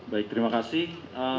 baik terima kasih